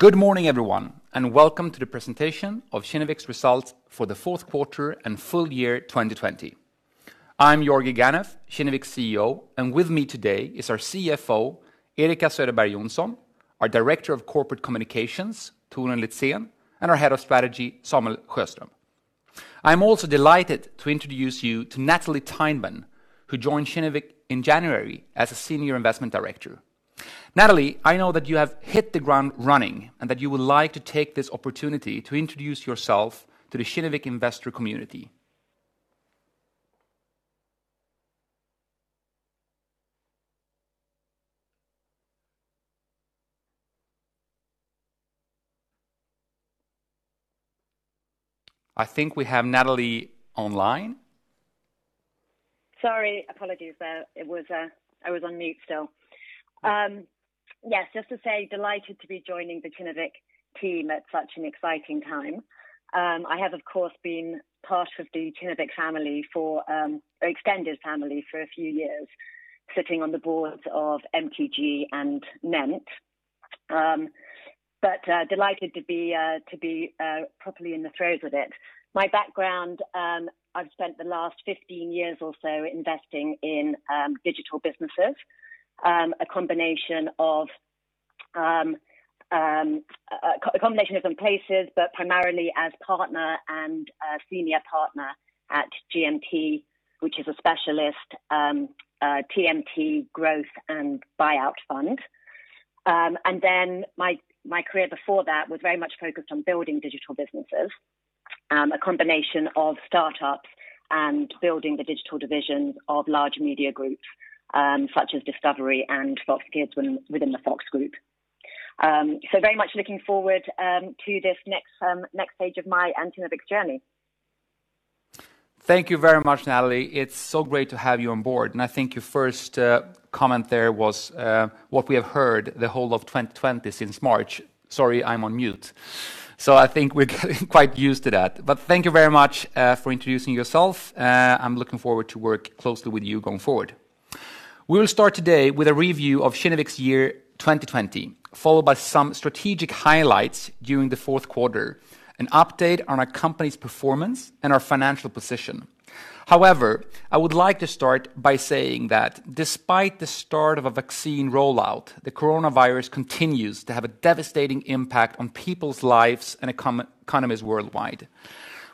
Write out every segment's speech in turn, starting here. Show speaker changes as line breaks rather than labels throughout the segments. Good morning everyone welcome to the presentation of Kinnevik's results for the fourth quarter and full year 2020. I'm Georgi Ganev, Kinnevik's CEO, and with me today is our CFO, Erika Söderberg Johnson, our Director of Corporate Communications, Torun Litzén, and our Head of Strategy, Samuel Sjöström. I'm also delighted to introduce you to Natalie Tydeman, who joined Kinnevik in January as a Senior Investment Director. Natalie, I know that you have hit the ground running, and that you would like to take this opportunity to introduce yourself to the Kinnevik investor community. I think we have Natalie online.
Sorry. Apologies there. I was on mute still. Just to say delighted to be joining the Kinnevik team at such an exciting time. I have, of course, been part of the Kinnevik extended family for a few years, sitting on the boards of MTG and Ment. Delighted to be properly in the throes of it. My background, I've spent the last 15 years or so investing in digital businesses. A combination of some places, but primarily as partner and senior partner at GMT, which is a specialist TMT growth and buyout fund. My career before that was very much focused on building digital businesses. A combination of startups and building the digital divisions of large media groups, such as Discovery and Fox Kids within the Fox Group. Very much looking forward to this next phase of my and Kinnevik's journey.
Thank you very much Natalie. It's so great to have you on board. I think your first comment there was what we have heard the whole of 2020 since March, "Sorry, I'm on mute." I think we're quite used to that. Thank you very much for introducing yourself. I'm looking forward to work closely with you going forward. We'll start today with a review of Kinnevik's year 2020, followed by some strategic highlights during the fourth quarter, an update on our company's performance and our financial position. However, I would like to start by saying that despite the start of a vaccine rollout, the coronavirus continues to have a devastating impact on people's lives and economies worldwide.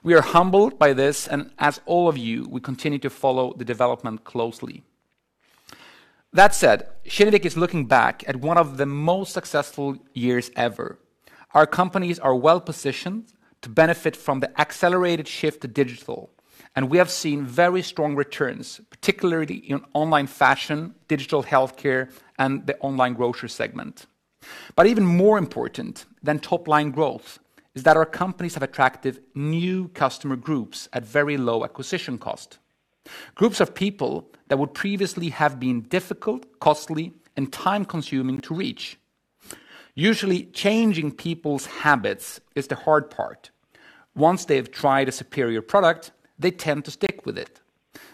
We are humbled by this, and as all of you, we continue to follow the development closely. That said, Kinnevik is looking back at one of the most successful years ever. Our companies are well-positioned to benefit from the accelerated shift to digital, and we have seen very strong returns, particularly in online fashion, digital healthcare, and the online grocery segment. Even more important than top-line growth is that our companies have attracted new customer groups at very low acquisition cost, groups of people that would previously have been difficult, costly, and time-consuming to reach. Usually, changing people's habits is the hard part. Once they've tried a superior product, they tend to stick with it.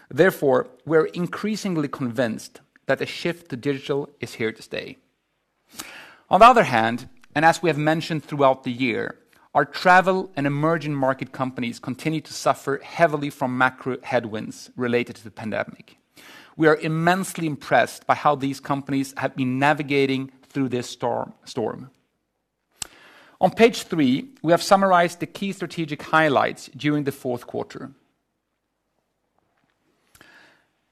Therefore, we're increasingly convinced that the shift to digital is here to stay. On the other hand, and as we have mentioned throughout the year, our travel and emerging market companies continue to suffer heavily from macro headwinds related to the pandemic. We are immensely impressed by how these companies have been navigating through this storm. On page three, we have summarized the key strategic highlights during the fourth quarter.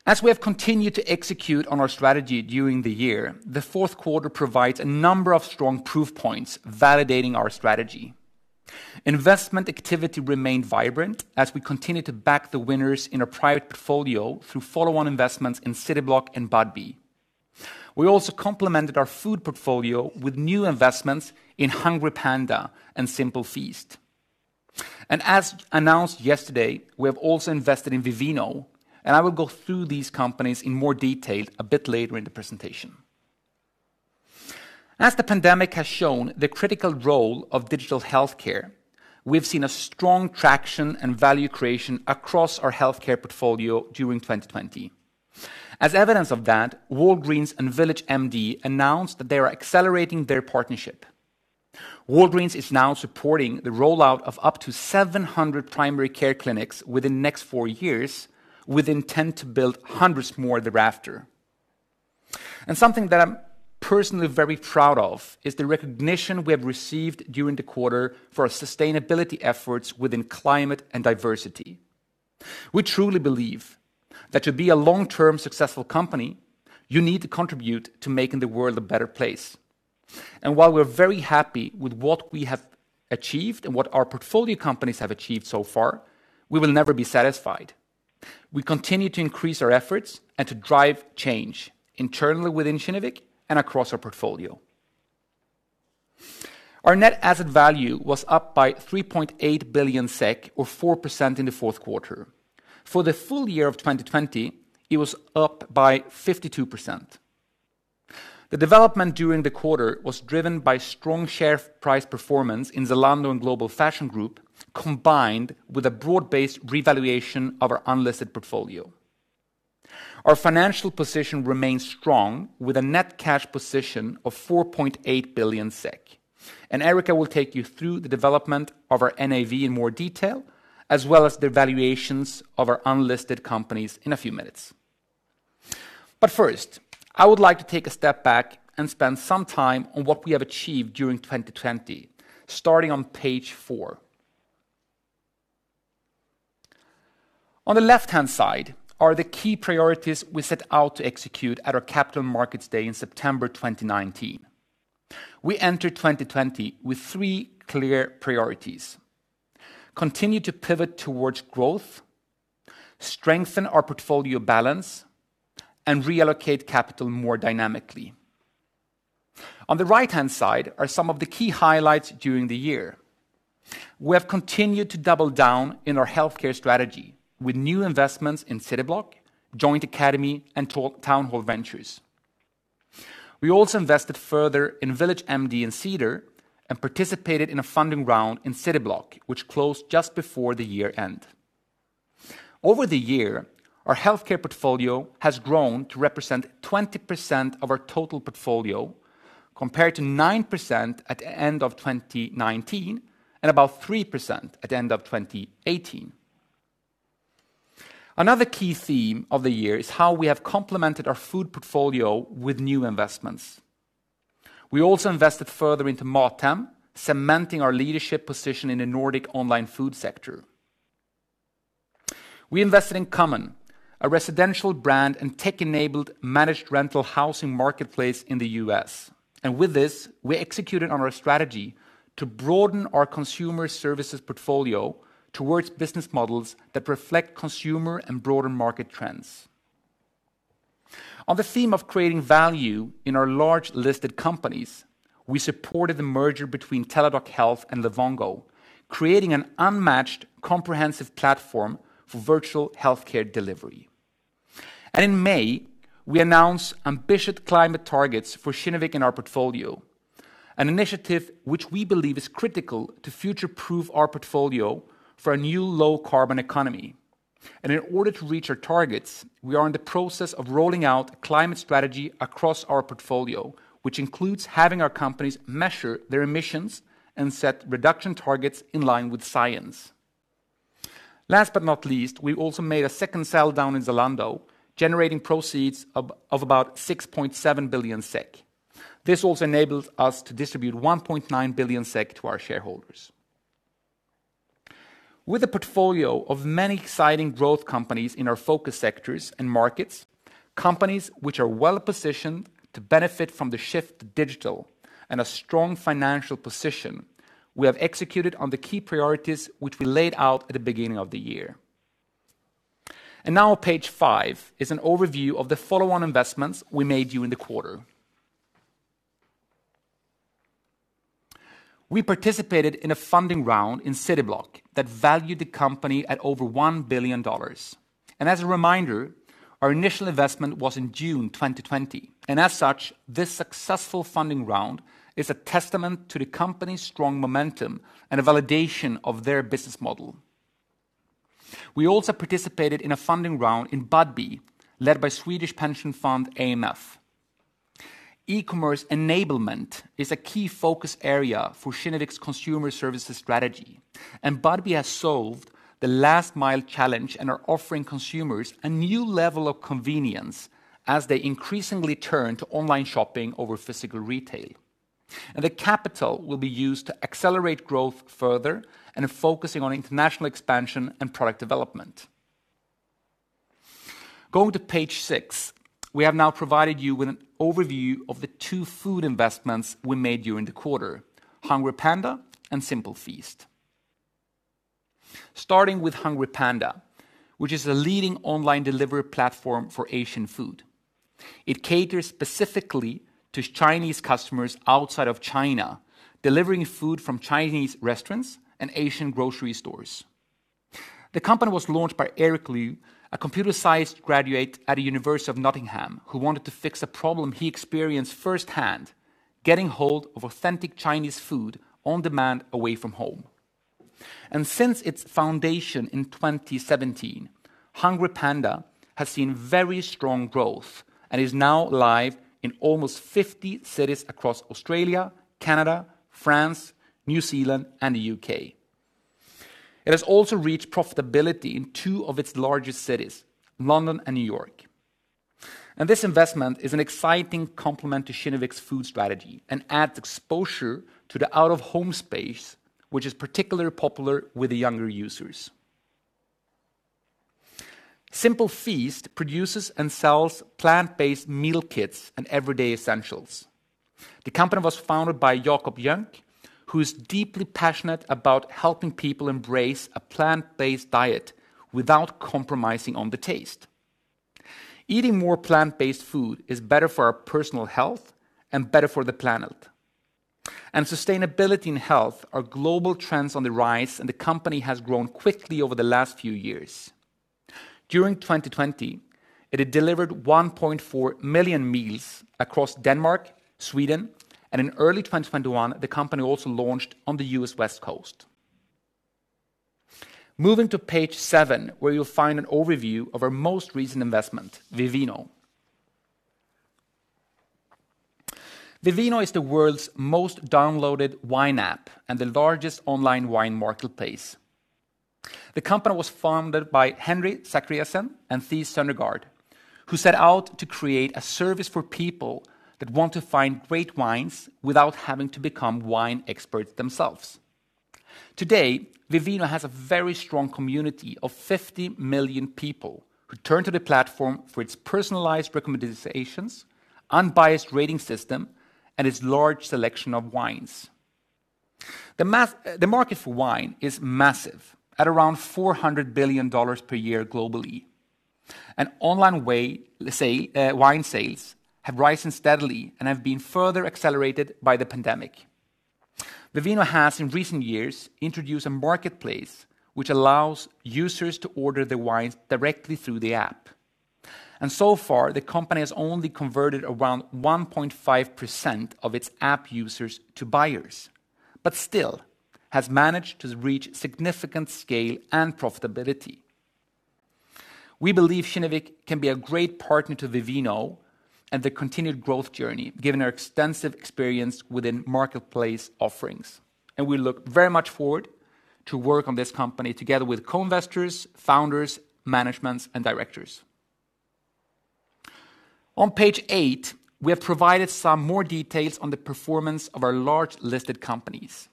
As we have continued to execute on our strategy during the year, the fourth quarter provides a number of strong proof points validating our strategy. Investment activity remained vibrant as we continued to back the winners in our private portfolio through follow-on investments in Cityblock and Budbee. We also complemented our food portfolio with new investments in HungryPanda and Simple Feast. As announced yesterday, we have also invested in Vivino, and I will go through these companies in more detail a bit later in the presentation. As the pandemic has shown the critical role of digital healthcare, we've seen a strong traction and value creation across our healthcare portfolio during 2020. As evidence of that, Walgreens and VillageMD announced that they are accelerating their partnership. Walgreens is now supporting the rollout of up to 700 primary care clinics within next four years, with intent to build hundreds more thereafter. Something that I'm personally very proud of is the recognition we have received during the quarter for our sustainability efforts within climate and diversity. We truly believe that to be a long-term successful company, you need to contribute to making the world a better place. While we're very happy with what we have achieved and what our portfolio companies have achieved so far, we will never be satisfied. We continue to increase our efforts and to drive change internally within Kinnevik and across our portfolio. Our net asset value was up by 3.8 billion SEK or 4% in the fourth quarter. For the full year of 2020, it was up by 52%. The development during the quarter was driven by strong share price performance in Zalando and Global Fashion Group, combined with a broad-based revaluation of our unlisted portfolio. Our financial position remains strong with a net cash position of 4.8 billion SEK. Erika will take you through the development of our NAV in more detail, as well as the valuations of our unlisted companies in a few minutes. First, I would like to take a step back and spend some time on what we have achieved during 2020, starting on page four. On the left-hand side are the key priorities we set out to execute at our Capital Markets Day in September 2019. We entered 2020 with three clear priorities. Continue to pivot towards growth, strengthen our portfolio balance, and reallocate capital more dynamically. On the right-hand side are some of the key highlights during the year. We have continued to double down in our healthcare strategy with new investments in Cityblock, Joint Academy, and Town Hall Ventures. We also invested further in VillageMD and Cedar and participated in a funding round in Cityblock, which closed just before the year-end. Over the year, our healthcare portfolio has grown to represent 20% of our total portfolio, compared to 9% at the end of 2019 and about 3% at the end of 2018. Another key theme of the year is how we have complemented our food portfolio with new investments. We also invested further into Mathem, cementing our leadership position in the Nordic online food sector. We invested in Common, a residential brand and tech-enabled managed rental housing marketplace in the U.S. With this, we executed on our strategy to broaden our consumer services portfolio towards business models that reflect consumer and broader market trends. On the theme of creating value in our large listed companies, we supported the merger between Teladoc Health and Livongo, creating an unmatched comprehensive platform for virtual healthcare delivery. In May, we announced ambitious climate targets for Kinnevik in our portfolio, an initiative which we believe is critical to future-proof our portfolio for a new low-carbon economy. In order to reach our targets, we are in the process of rolling out climate strategy across our portfolio, which includes having our companies measure their emissions and set reduction targets in line with science. Last but not least, we also made a second sell-down in Zalando, generating proceeds of about 6.7 billion SEK. This also enables us to distribute 1.9 billion SEK to our shareholders. With a portfolio of many exciting growth companies in our focus sectors and markets, companies which are well-positioned to benefit from the shift to digital and a strong financial position, we have executed on the key priorities which we laid out at the beginning of the year. Now on page five is an overview of the follow-on investments we made during the quarter. We participated in a funding round in Cityblock that valued the company at over $1 billion. As a reminder, our initial investment was in June 2020, and as such, this successful funding round is a testament to the company's strong momentum and a validation of their business model. We also participated in a funding round in Budbee, led by Swedish pension fund AMF. E-commerce enablement is a key focus area for Kinnevik's consumer services strategy, Budbee has solved the last-mile challenge and are offering consumers a new level of convenience as they increasingly turn to online shopping over physical retail. The capital will be used to accelerate growth further and are focusing on international expansion and product development. Going to page six, we have now provided you with an overview of the two food investments we made during the quarter, HungryPanda and Simple Feast. Starting with HungryPanda, which is a leading online delivery platform for Asian food. It caters specifically to Chinese customers outside of China, delivering food from Chinese restaurants and Asian grocery stores. The company was launched by Eric Liu, a computer science graduate at the University of Nottingham who wanted to fix a problem he experienced firsthand, getting hold of authentic Chinese food on-demand away from home. Since its foundation in 2017, HungryPanda has seen very strong growth and is now live in almost 50 cities across Australia, Canada, France, New Zealand, and the U.K. It has also reached profitability in two of its largest cities, London and New York. This investment is an exciting complement to Kinnevik's food strategy and adds exposure to the out-of-home space, which is particularly popular with the younger users. Simple Feast produces and sells plant-based meal kits and everyday essentials. The company was founded by Jakob Jønck, who is deeply passionate about helping people embrace a plant-based diet without compromising on the taste. Eating more plant-based food is better for our personal health and better for the planet. Sustainability and health are global trends on the rise, and the company has grown quickly over the last few years. During 2020, it had delivered 1.4 million meals across Denmark, Sweden, and in early 2021, the company also launched on the U.S. West Coast. Moving to page seven, where you'll find an overview of our most recent investment, Vivino. Vivino is the world's most downloaded wine app and the largest online wine marketplace. The company was founded by Heini Zachariassen and Theis Søndergaard, who set out to create a service for people that want to find great wines without having to become wine experts themselves. Today, Vivino has a very strong community of 50 million people who turn to the platform for its personalized recommendations, unbiased rating system, and its large selection of wines. The market for wine is massive, at around SEK 400 billion per year globally. Online wine sales have risen steadily and have been further accelerated by the pandemic. Vivino has, in recent years, introduced a marketplace which allows users to order their wines directly through the app. So far, the company has only converted around 1.5% of its app users to buyers, but still has managed to reach significant scale and profitability. We believe Kinnevik can be a great partner to Vivino and their continued growth journey, given our extensive experience within marketplace offerings, and we look very much forward to work on this company together with co-investors, founders, managements, and directors. On page eight, we have provided some more details on the performance of our large listed companies.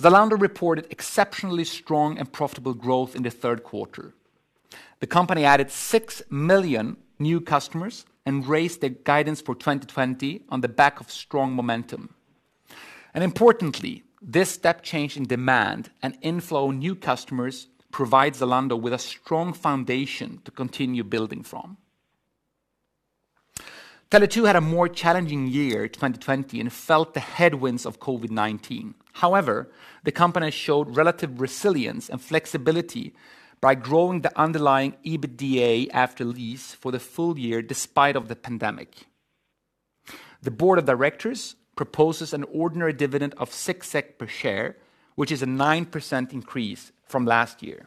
Zalando reported exceptionally strong and profitable growth in the third quarter. The company added 6 million new customers and raised their guidance for 2020 on the back of strong momentum. Importantly, this step change in demand and inflow in new customers provides Zalando with a strong foundation to continue building from. Tele2 had a more challenging year 2020, and felt the headwinds of COVID-19. The company showed relative resilience and flexibility by growing the underlying EBITDA after lease for the full year despite of the pandemic. The board of directors proposes an ordinary dividend of 6 SEK per share, which is a 9% increase from last year.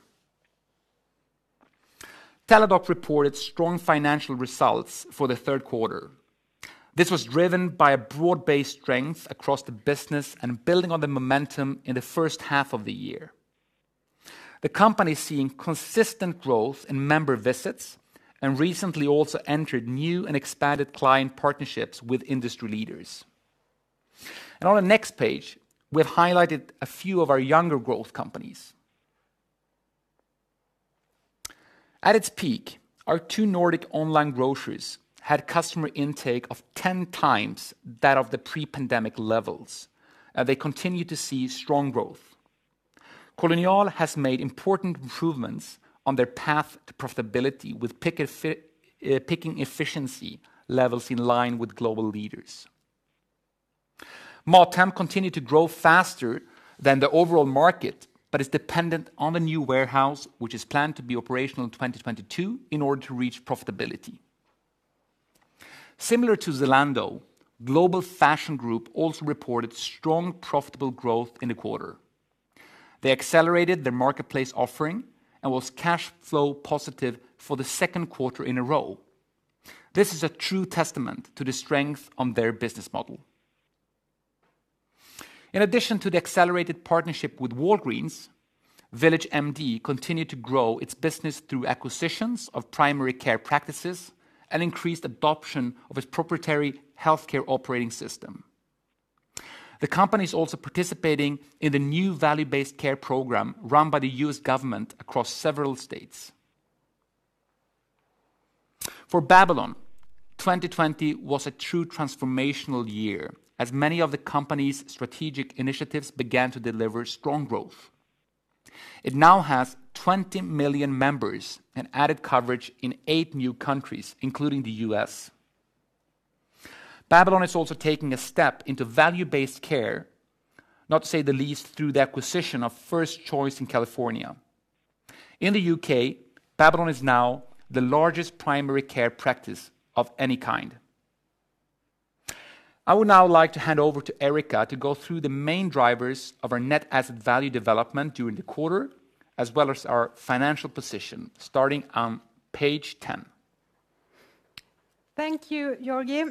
Teladoc reported strong financial results for the third quarter. This was driven by a broad-based strength across the business and building on the momentum in the first half of the year. The company's seeing consistent growth in member visits, and recently also entered new and expanded client partnerships with industry leaders. On the next page, we have highlighted a few of our younger growth companies. At its peak, our two Nordic online groceries had customer intake of 10 times that of the pre-pandemic levels, and they continue to see strong growth. Kolonial has made important improvements on their path to profitability, with picking efficiency levels in line with global leaders. Mathem continued to grow faster than the overall market, is dependent on the new warehouse, which is planned to be operational in 2022 in order to reach profitability. Similar to Zalando, Global Fashion Group also reported strong profitable growth in the quarter. They accelerated their marketplace offering and was cash flow positive for the second quarter in a row. This is a true testament to the strength on their business model. In addition to the accelerated partnership with Walgreens, VillageMD continued to grow its business through acquisitions of primary care practices and increased adoption of its proprietary healthcare operating system. The company's also participating in the new value-based care program run by the U.S. government across several states. For Babylon, 2020 was a true transformational year as many of the company's strategic initiatives began to deliver strong growth. It now has 20 million members and added coverage in eight new countries, including the U.S. Babylon is also taking a step into value-based care, not to say the least, through the acquisition of First Choice in California. In the U.K., Babylon is now the largest primary care practice of any kind. I would now like to hand over to Erika to go through the main drivers of our net asset value development during the quarter, as well as our financial position, starting on page 10.
Thank you Georgi.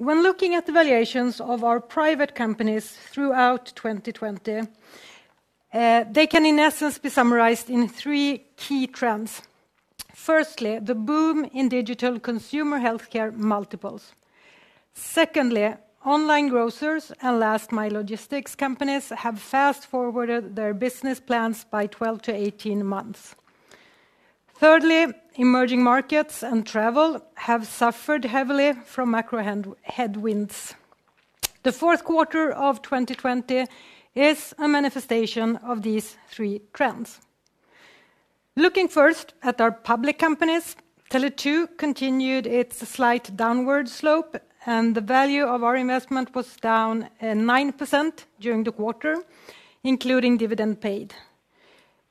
When looking at the valuations of our private companies throughout 2020, they can, in essence, be summarized in three key trends. Firstly, the boom in digital consumer healthcare multiples. Secondly, online grocers, and last-mile logistics companies have fast-forwarded their business plans by 12-18 months. Thirdly, emerging markets and travel have suffered heavily from macro headwinds. The fourth quarter of 2020 is a manifestation of these three trends. Looking first at our public companies, Tele2 continued its slight downward slope, and the value of our investment was down 9% during the quarter, including dividend paid.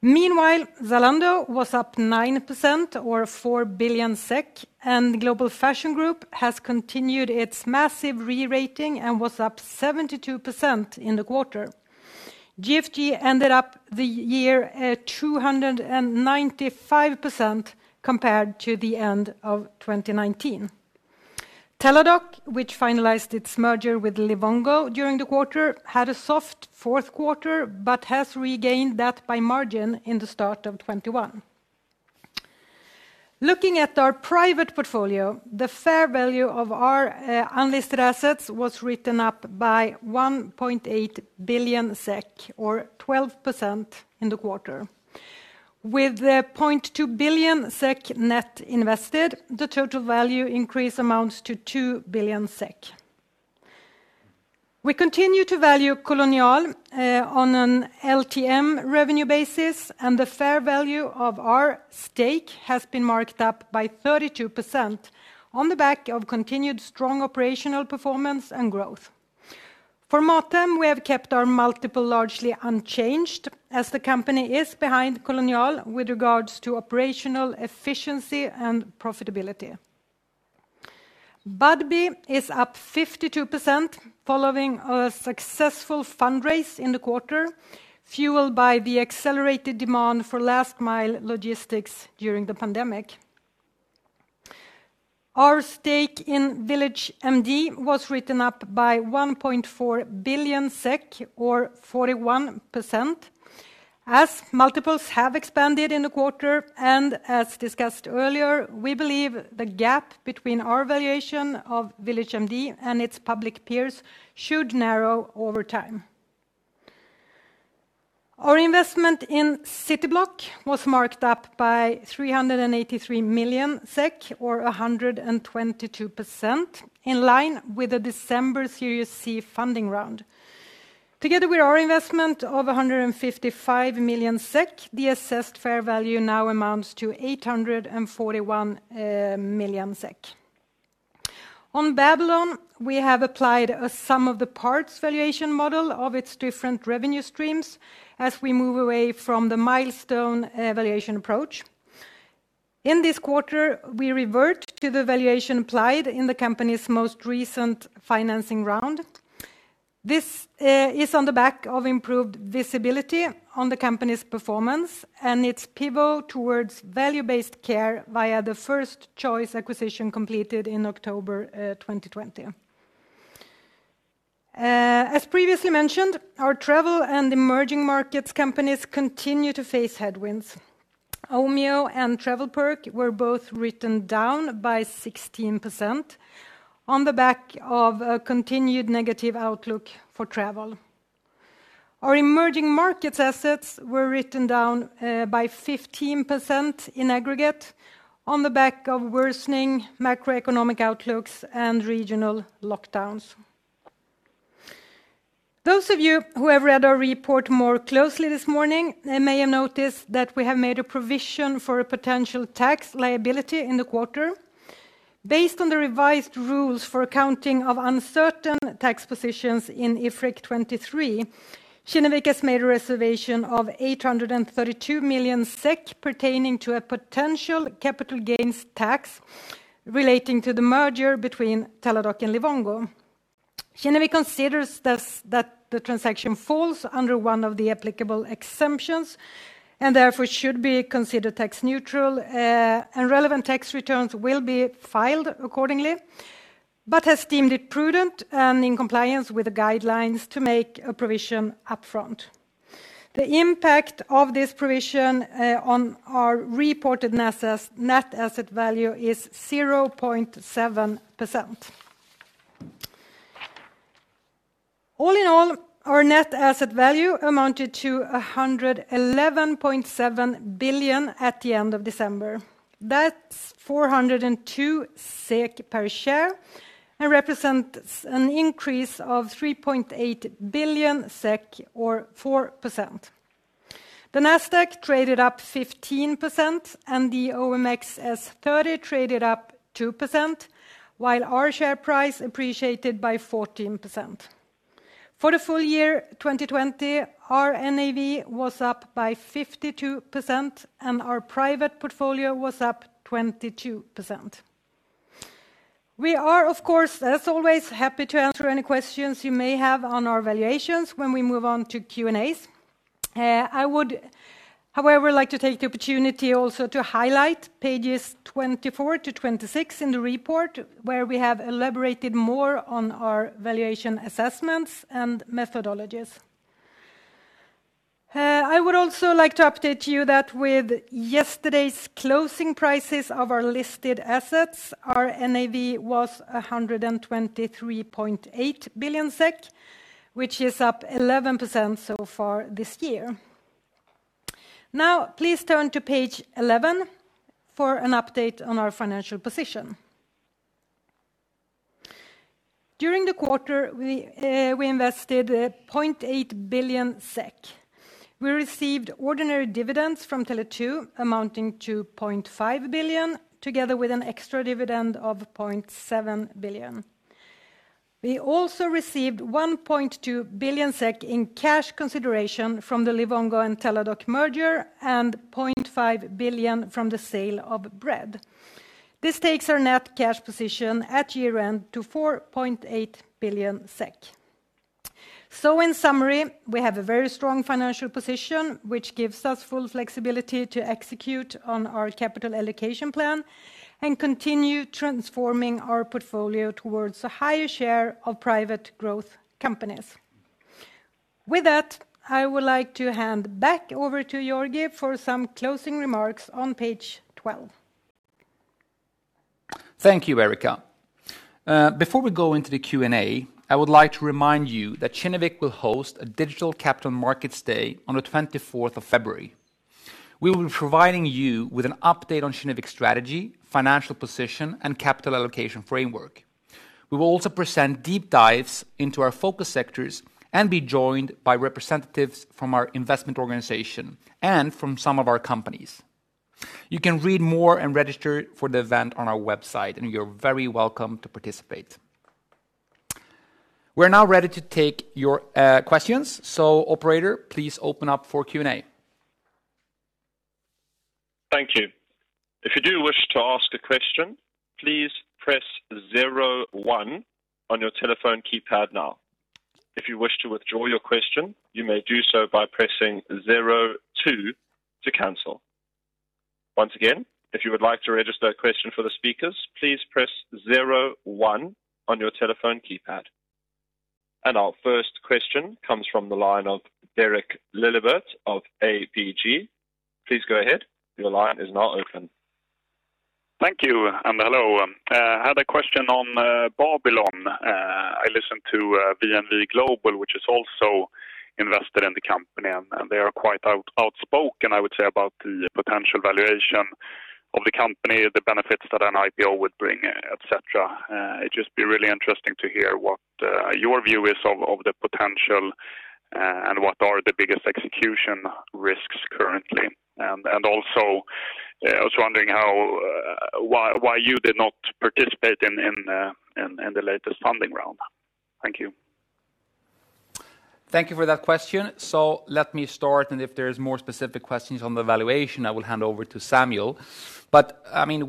Meanwhile, Zalando was up 9% or 4 billion SEK, and Global Fashion Group has continued its massive re-rating and was up 72% in the quarter. GFG ended up the year at 295% compared to the end of 2019. Teladoc, which finalized its merger with Livongo during the quarter, had a soft fourth quarter, but has regained that by margin in the start of 2021. Looking at our private portfolio, the fair value of our unlisted assets was written up by 1.8 billion SEK, or 12% in the quarter. With the 0.2 billion SEK net invested, the total value increase amounts to 2 billion SEK. We continue to value Kolonial on an LTM revenue basis, and the fair value of our stake has been marked up by 32% on the back of continued strong operational performance and growth. For Mathem, we have kept our multiple largely unchanged as the company is behind Kolonial with regards to operational efficiency and profitability. Budbee is up 52% following a successful fundraise in the quarter, fueled by the accelerated demand for last mile logistics during the pandemic. Our stake in VillageMD was written up by 1.4 billion SEK, or 41%. Multiples have expanded in the quarter, and as discussed earlier, we believe the gap between our valuation of VillageMD and its public peers should narrow over time. Our investment in Cityblock was marked up by 383 million SEK, or 122%, in line with the December Series C funding round. Together with our investment of 155 million SEK, the assessed fair value now amounts to 841 million SEK. On Babylon, we have applied a sum of the parts valuation model of its different revenue streams as we move away from the milestone valuation approach. In this quarter, we revert to the valuation applied in the company's most recent financing round. This is on the back of improved visibility on the company's performance and its pivot towards value-based care via the First Choice acquisition completed in October 2020. As previously mentioned, our travel and emerging markets companies continue to face headwinds. Omio and TravelPerk were both written down by 16% on the back of a continued negative outlook for travel. Our emerging markets assets were written down by 15% in aggregate on the back of worsening macroeconomic outlooks and regional lockdowns. Those of you who have read our report more closely this morning may have noticed that we have made a provision for a potential tax liability in the quarter. Based on the revised rules for accounting of uncertain tax positions in IFRIC 23, Kinnevik has made a reservation of 832 million SEK pertaining to a potential capital gains tax relating to the merger between Teladoc and Livongo. Kinnevik considers that the transaction falls under one of the applicable exemptions and therefore should be considered tax neutral, and relevant tax returns will be filed accordingly, but has deemed it prudent and in compliance with the guidelines to make a provision upfront. The impact of this provision on our reported net asset value is 0.7%. All in all, our net asset value amounted to 111.7 billion at the end of December. That's 402 SEK per share and represents an increase of 3.8 billion SEK, or 4%. The Nasdaq traded up 15% and the OMXS30 traded up 2%, while our share price appreciated by 14%. For the full year 2020, our NAV was up by 52%, and our private portfolio was up 22%. We are, of course, as always, happy to answer any questions you may have on our valuations when we move on to Q&As. I would, however, like to take the opportunity also to highlight pages 24-26 in the report where we have elaborated more on our valuation assessments and methodologies. I would also like to update you that with yesterday's closing prices of our listed assets, our NAV was 123.8 billion SEK, which is up 11% so far this year. Please turn to page 11 for an update on our financial position. During the quarter, we invested 0.8 billion SEK. We received ordinary dividends from Tele2 amounting to 0.5 billion, together with an extra dividend of 0.7 billion. We also received 1.2 billion SEK in cash consideration from the Livongo and Teladoc merger and 0.5 billion from the sale of Bread. This takes our net cash position at year-end to 4.8 billion SEK. In summary, we have a very strong financial position, which gives us full flexibility to execute on our capital allocation plan and continue transforming our portfolio towards a higher share of private growth companies. With that, I would like to hand back over to Georgi for some closing remarks on page 12.
Thank you Erika. Before we go into the Q&A, I would like to remind you that Kinnevik will host a digital Capital Markets Day on the 24th of February. We will be providing you with an update on Kinnevik strategy, financial position, and capital allocation framework. We will also present deep dives into our focus sectors and be joined by representatives from our investment organization and from some of our companies. You can read more and register for the event on our website, and you're very welcome to participate. We're now ready to take your questions. operator, please open up for Q&A.
Thank you. If you do wish to ask a question please press zero one, on your telephone keypad now. If you wish to withdraw your question, you may do so by pressing zero two, to cancel. Once again, if you would like to register your question for the speakers, please press zero one on your telephone keypad. Our first question comes from the line of Derek Laliberté of ABG. Please go ahead. Your line is now open.
Thank you and hello. I had a question on Babylon. I listened to VNV Global, which has also invested in the company, and they are quite outspoken, I would say, about the potential valuation of the company, the benefits that an IPO would bring, et cetera. It'd just be really interesting to hear what your view is of the potential and what are the biggest execution risks currently. Also, I was wondering why you did not participate in the latest funding round. Thank you.
Thank you for that question. Let me start and if there's more specific questions on the valuation, I will hand over to Samuel.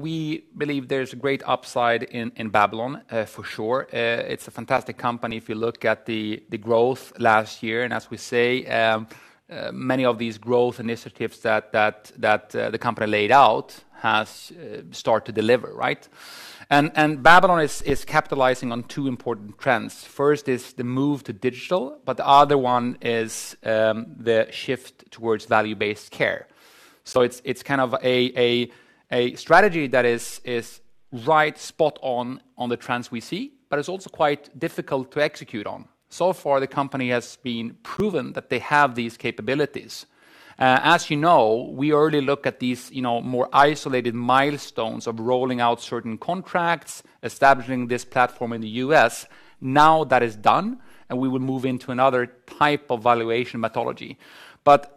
We believe there's a great upside in Babylon, for sure. It's a fantastic company if you look at the growth last year. As we say, many of these growth initiatives that the company laid out have start to deliver, right? Babylon is capitalizing on two important trends. First is the move to digital, but the other one is the shift towards value-based care. It's kind of a strategy that is right spot on the trends we see, but it's also quite difficult to execute on. So far, the company has been proven that they have these capabilities. As you know, we already look at these more isolated milestones of rolling out certain contracts, establishing this platform in the U.S. That is done, we will move into another type of valuation methodology.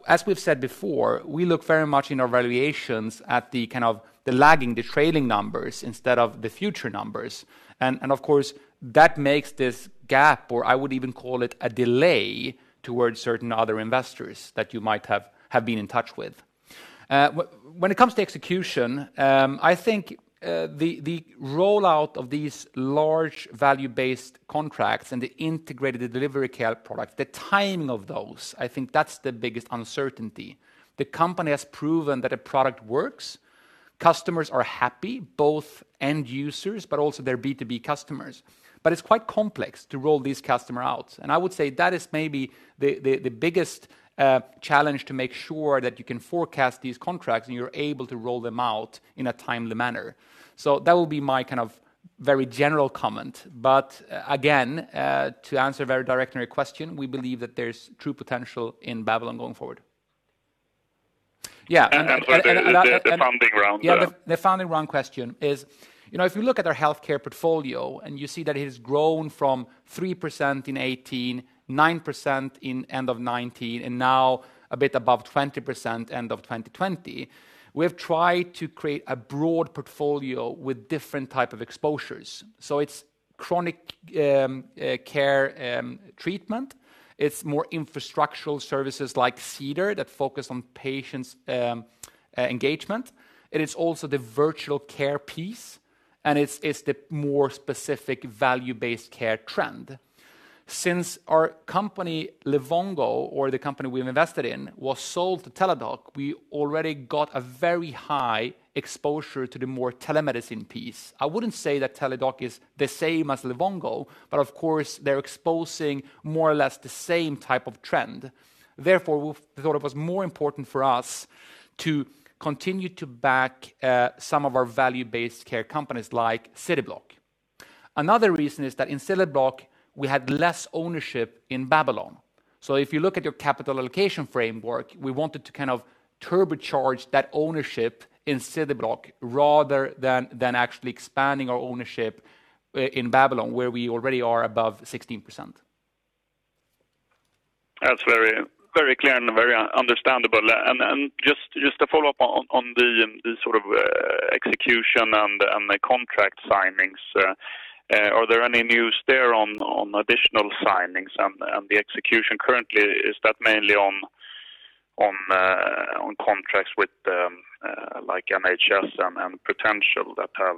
As we've said before, we look very much in our valuations at the kind of the lagging, the trailing numbers instead of the future numbers. Of course, that makes this gap, or I would even call it a delay towards certain other investors that you might have been in touch with. When it comes to execution, I think the rollout of these large value-based contracts and the integrated delivery care product, the timing of those, I think that's the biggest uncertainty. The company has proven that a product works. Customers are happy, both end users, but also their B2B customers. It's quite complex to roll these customer out and I would say that is maybe the biggest challenge to make sure that you can forecast these contracts and you're able to roll them out in a timely manner. That would be my kind of very general comment. Again, to answer very directly your question, we believe that there's true potential in Babylon going forward.
The funding round.
The funding round question is if you look at our healthcare portfolio and you see that it has grown from 3% in 2018, 9% in end of 2019, and now a bit above 20% end of 2020, we have tried to create a broad portfolio with different type of exposures. It's chronic care treatment. It's more infrastructural services like Cedar that focus on patient engagement. It is also the virtual care piece, it's the more specific value-based care trend. Since our company Livongo, or the company we've invested in, was sold to Teladoc, we already got a very high exposure to the more telemedicine piece. I wouldn't say that Teladoc is the same as Livongo, of course, they're exposing more or less the same type of trend. We thought it was more important for us to continue to back some of our value-based care companies like Cityblock. Another reason is that in Cityblock we had less ownership in Babylon. If you look at your capital allocation framework, we wanted to kind of turbocharge that ownership in Cityblock rather than actually expanding our ownership in Babylon, where we already are above 16%.
That is very clear and very understandable. Just to follow up on the sort of execution and the contract signings, are there any news there on additional signings and the execution currently? Is that mainly on contracts with NHS and potential that have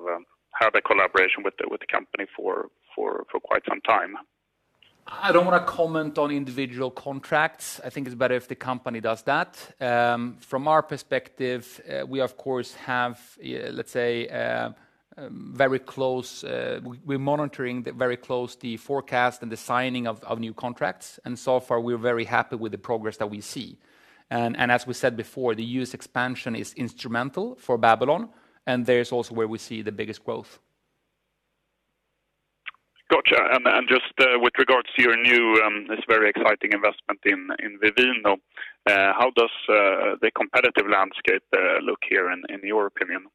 had a collaboration with the company for quite some time?
I don't want to comment on individual contracts. I think it is better if the company does that. From our perspective, we are monitoring very close the forecast and the signing of new contracts, and so far, we are very happy with the progress that we see. As we said before, the U.S. expansion is instrumental for Babylon and there is also where we see the biggest growth.
Got you. Just with regards to your new, this very exciting investment in Vivino, how does the competitive landscape look here in your opinion?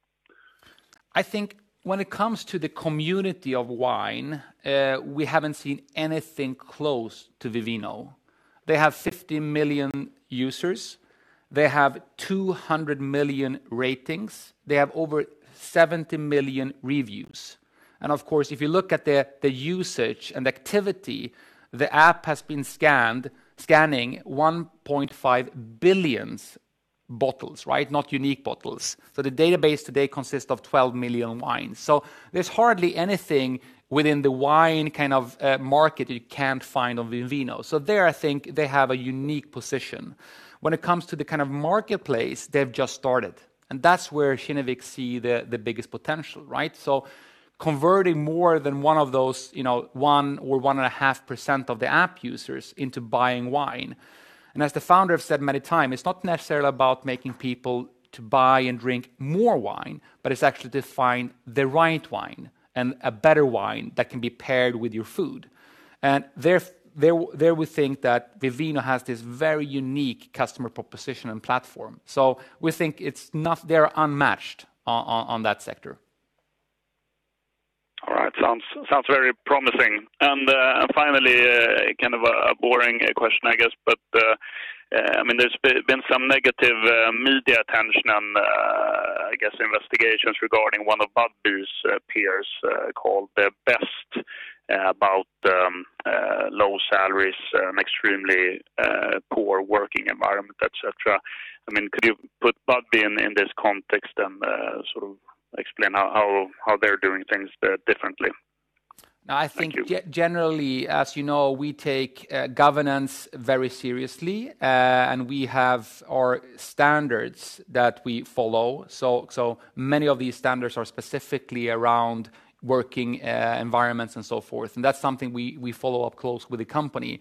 I think when it comes to the community of wine, we haven't seen anything close to Vivino. They have 50 million users. They have 200 million ratings. They have over 70 million reviews. Of course, if you look at the usage and activity, the app has been scanning 1.5 billion bottles. Not unique bottles. The database today consists of 12 million wines. There's hardly anything within the wine kind of market you can't find on Vivino. There, I think they have a unique position. When it comes to the kind of marketplace they've just started, and that's where Kinnevik see the biggest potential. Converting more than one or 1.5% of the app users into buying wine. As the founder have said many time, it's not necessarily about making people to buy and drink more wine, but it's actually to find the right wine and a better wine that can be paired with your food. There we think that Vivino has this very unique customer proposition and platform. We think they're unmatched on that sector.
All right. Sounds very promising. Finally, kind of a boring question, I guess, but there's been some negative media attention and I guess investigations regarding one of Budbee's peers called Best about low salaries, extremely poor working environment, et cetera. Could you put Budbee in this context and sort of explain how they're doing things differently? Thank you.
I think generally, as you know, we take governance very seriously, and we have our standards that we follow. Many of these standards are specifically around working environments and so forth, and that's something we follow up close with the company.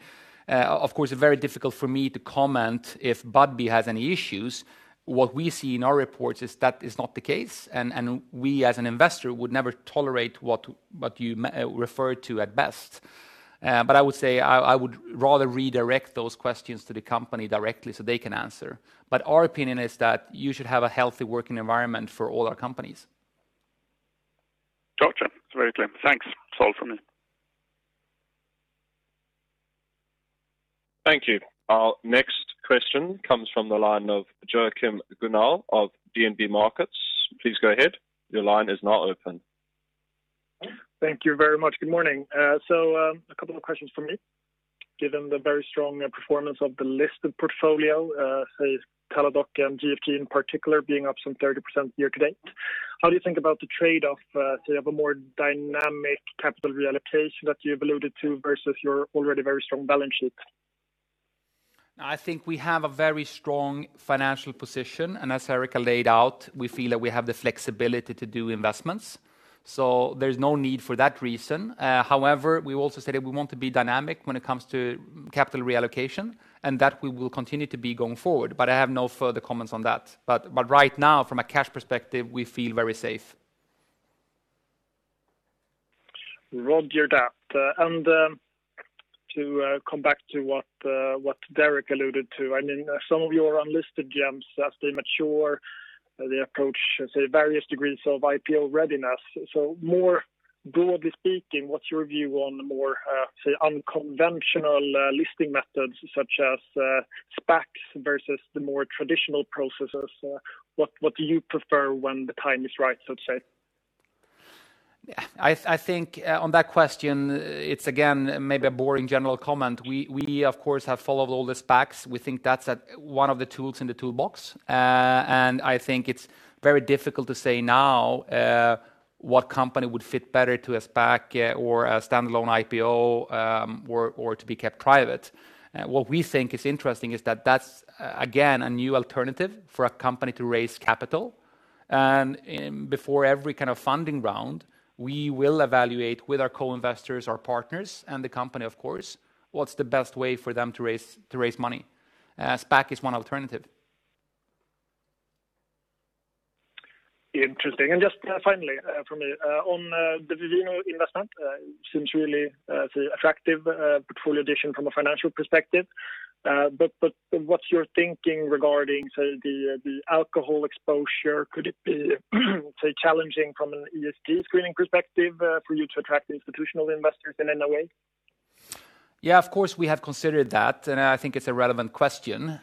Of course, very difficult for me to comment if Budbee has any issues. What we see in our reports is that is not the case, and we, as an investor, would never tolerate what you referred to at Best. I would say I would rather redirect those questions to the company directly so they can answer. Our opinion is that you should have a healthy working environment for all our companies.
Got you. It's very clear. Thanks. That's all from me.
Thank you. Our next question comes from the line of Joachim Gunell of DNB Markets. Please go ahead.
Thank you very much. Good morning. A couple of questions from me. Given the very strong performance of the listed portfolio, say Teladoc and GFT in particular being up some 30% year to date, how do you think about the trade-off to have a more dynamic capital reallocation that you've alluded to versus your already very strong balance sheet?
I think we have a very strong financial position, and as Erika laid out, we feel that we have the flexibility to do investments, so there's no need for that reason. However, we also said that we want to be dynamic when it comes to capital reallocation and that we will continue to be going forward, but I have no further comments on that. Right now, from a cash perspective, we feel very safe.
Roger that. To come back to what Derek alluded to, some of your unlisted gems as they mature, they approach, say, various degrees of IPO readiness. More broadly speaking, what's your view on the more, say, unconventional listing methods such as SPACs versus the more traditional processes? What do you prefer when the time is right, so to say?
I think on that question, it's again maybe a boring general comment. We of course have followed all the SPACs. We think that's one of the tools in the toolbox. I think it's very difficult to say now what company would fit better to a SPAC or a standalone IPO, or to be kept private. What we think is interesting is that that's, again, a new alternative for a company to raise capital. Before every kind of funding round, we will evaluate with our co-investors, our partners, and the company, of course, what's the best way for them to raise money. SPAC is one alternative.
Interesting. Just final one from me, on the Vivino investment, seems really attractive portfolio addition from a financial perspective. What's your thinking regarding, say, the alcohol exposure? Could it be say, challenging from an ESG screening perspective for you to attract institutional investors in any way?
Yeah, of course, we have considered that. I think it's a relevant question.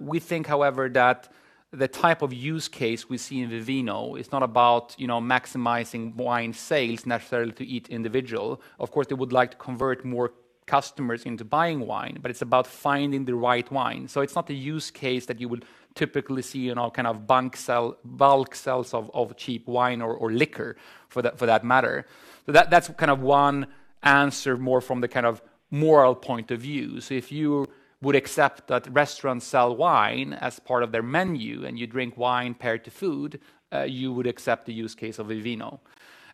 We think, however, that the type of use case we see in Vivino is not about maximizing wine sales necessarily to each individual. Of course, they would like to convert more customers into buying wine, it's about finding the right wine. It's not a use case that you would typically see in all kind of bulk sales of cheap wine or liquor for that matter. That's one answer more from the moral point of view. If you would accept that restaurants sell wine as part of their menu and you drink wine paired to food, you would accept the use case of Vivino.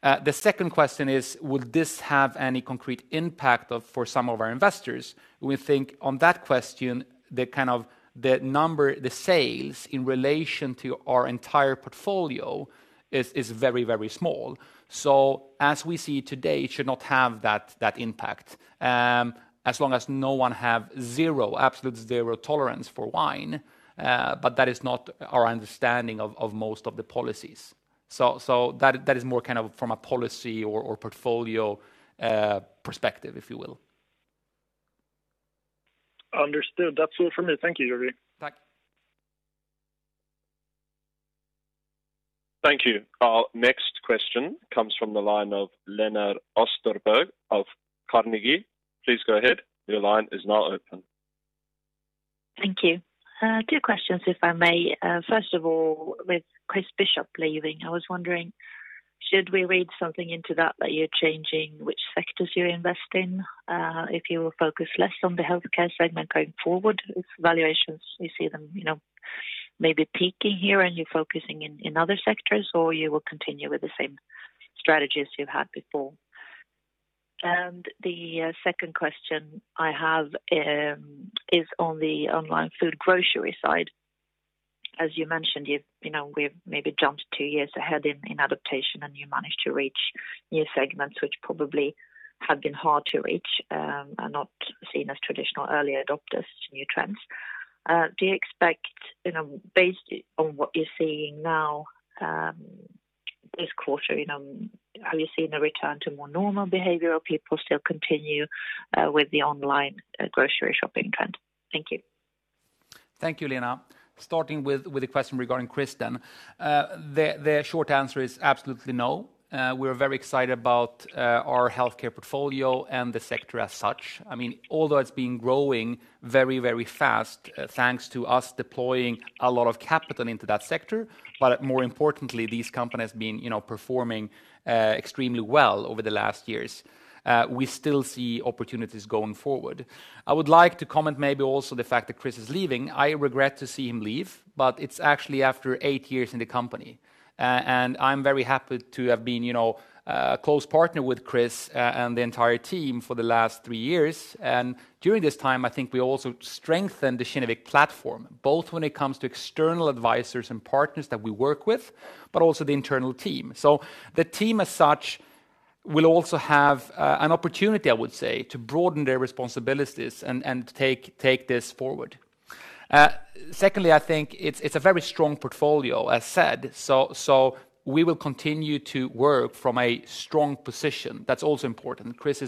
The second question is, would this have any concrete impact for some of our investors? We think on that question, the sales in relation to our entire portfolio is very small. As we see today, it should not have that impact, as long as no one have absolute zero tolerance for wine. That is not our understanding of most of the policies. That is more from a policy or portfolio perspective, if you will.
Understood. That's all from me. Thank you Georgi.
Thank you.
Thank you. Our next question comes from the line of Lena Österberg of Carnegie. Please go ahead. Your line is now open.
Thank you. Two questions if I may. With Chris Bischoff leaving, I was wondering, should we read something into that you're changing which sectors you invest in? If you will focus less on the healthcare segment going forward, if valuations, you see them maybe peaking here and you're focusing in other sectors, or you will continue with the same strategies you've had before? The second question I have is on the online food grocery side. As you mentioned, we've maybe jumped two years ahead in adaptation and you managed to reach new segments which probably have been hard to reach, and not seen as traditional early adopters to new trends. Based on what you're seeing now this quarter, are you seeing a return to more normal behavior or people still continue with the online grocery shopping trend? Thank you.
Thank you Lena. Starting with the question regarding Chris. The short answer is absolutely no. We're very excited about our healthcare portfolio and the sector as such. Although it's been growing very fast, thanks to us deploying a lot of capital into that sector, more importantly, these companies been performing extremely well over the last years. We still see opportunities going forward. I would like to comment maybe also the fact that Chris is leaving. I regret to see him leave, but it's actually after eight years in the company. I'm very happy to have been close partner with Chris and the entire team for the last three years. During this time, I think we also strengthened the Kinnevik platform, both when it comes to external advisors and partners that we work with, but also the internal team. The team as such will also have an opportunity, I would say, to broaden their responsibilities and take this forward. Secondly, I think it's a very strong portfolio, as said, we will continue to work from a strong position. That's also important. Chris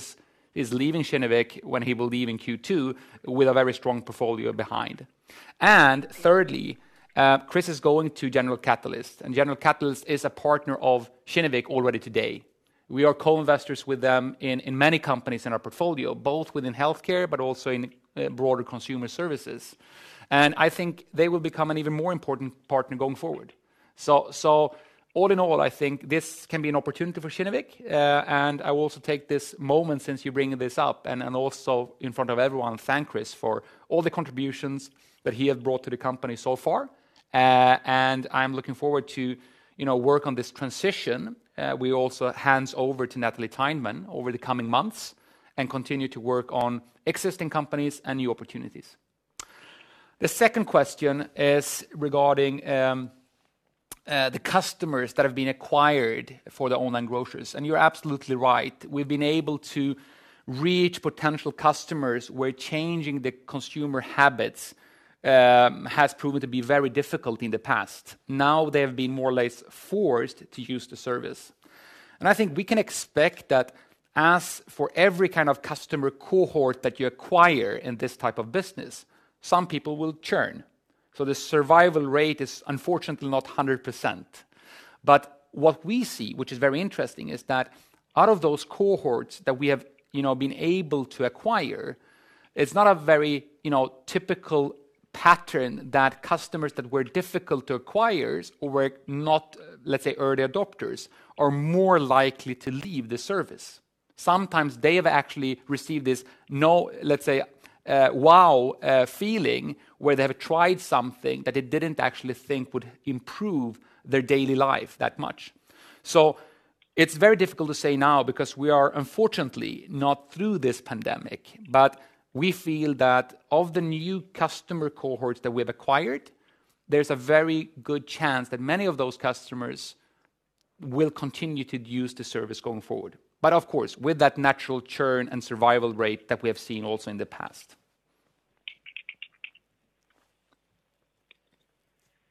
is leaving Kinnevik, when he will leave in Q2, with a very strong portfolio behind. Thirdly, Chris is going to General Catalyst, and General Catalyst is a partner of Kinnevik already today. We are co-investors with them in many companies in our portfolio, both within healthcare but also in broader consumer services. I think they will become an even more important partner going forward. All in all, I think this can be an opportunity for Kinnevik. I will also take this moment since you're bringing this up, and also in front of everyone, thank Chris for all the contributions that he has brought to the company so far. I'm looking forward to work on this transition. We also hands over to Natalie Tydeman over the coming months and continue to work on existing companies and new opportunities. The second question is regarding the customers that have been acquired for the online grocers, you're absolutely right. We've been able to reach potential customers where changing the consumer habits has proven to be very difficult in the past. Now they have been more or less forced to use the service. I think we can expect that as for every kind of customer cohort that you acquire in this type of business, some people will churn. The survival rate is unfortunately not 100%. What we see, which very interesting, is that out of those cohorts that we have been able to acquire, it's not a very typical pattern that customers that were difficult to acquire or were not, let's say, early adopters, are more likely to leave the service. Sometimes they have actually received this, let's say, wow feeling where they have tried something that they didn't actually think would improve their daily life that much. It's very difficult to say now because we are unfortunately not through this pandemic. We feel that of the new customer cohorts that we've acquired, there's a very good chance that many of those customers will continue to use the service going forward. Of course, with that natural churn and survival rate that we have seen also in the past.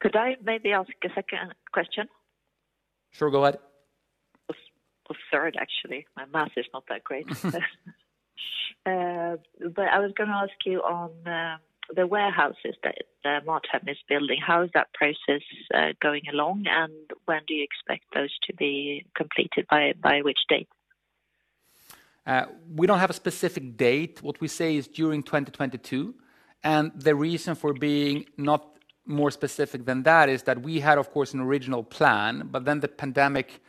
Could I maybe ask a second question?
Sure. Go ahead.
Third, actually. My math is not that great. I was going to ask you on the warehouses that Mathem is building, how is that process going along and when do you expect those to be completed, by which date?
We don't have a specific date. What we say is during 2022. The reason for being not more specific than that is that we had, of course, an original plan, but then the pandemic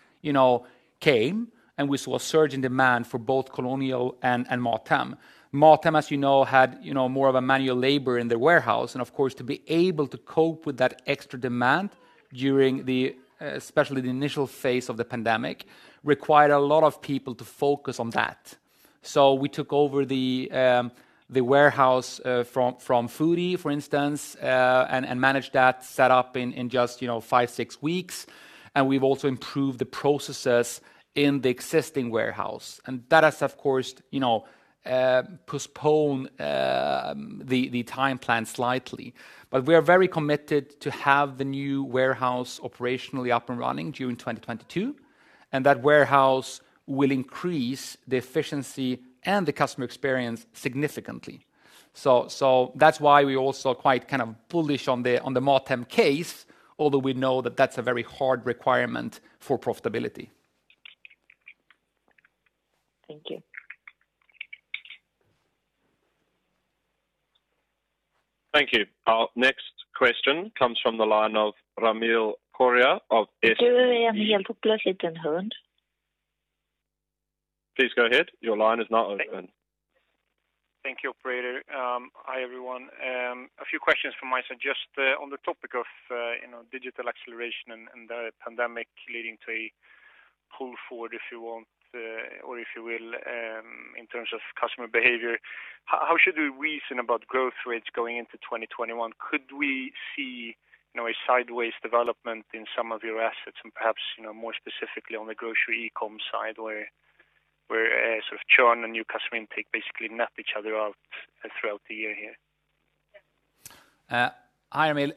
came and we saw a surge in demand for both Kolonial and Mathem. Mathem, as you know, had more of a manual labor in their warehouse. Of course, to be able to cope with that extra demand during especially the initial phase of the pandemic required a lot of people to focus on that. We took over the warehouse from Foodie, for instance, and managed that set up in just 5,6 weeks. We've also improved the processes in the existing warehouse. That has, of course, postponed the time plan slightly. We are very committed to have the new warehouse operationally up and running during 2022, and that warehouse will increase the efficiency and the customer experience significantly. That's why we're also quite bullish on the Mathem case, although we know that that's a very hard requirement for profitability.
Thank you.
Thank you. Our next question comes from the line of Ramil Koria of SEB. Please go ahead.
Thank you operator. Hi everyone. A few questions from my side, just on the topic of digital acceleration and the pandemic leading to a pull forward, if you want, or if you will, in terms of customer behavior. How should we reason about growth rates going into 2021? Could we see a sideways development in some of your assets and perhaps more specifically on the grocery e-com side, where sort of churn and new customer intake basically nap each other out throughout the year here?
Hi Ramil.